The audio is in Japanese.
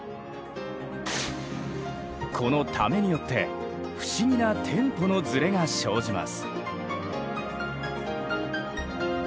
この「ため」によって不思議なテンポのずれが生じます。